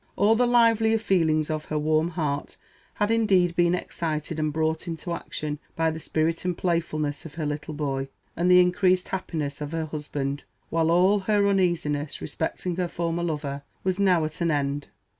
All the livelier feelings of her warm heart had indeed been excited and brought into action by the spirit and playfulness of her little boy, and the increased happiness of her husband; while all her uneasiness respecting her former lover was now at an end.